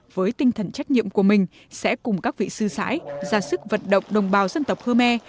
với tinh thần trách nhiệm của mình sẽ cùng các vị sư sãi ra sức vận động đồng bào dân tộc khơ me